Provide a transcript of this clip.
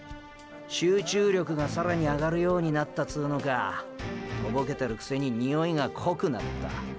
集中力が更にアガるようになったつうのかトボけてるくせにニオイが濃くなった。